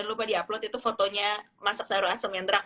lupa di upload itu fotonya masak sayur asem yang terakhir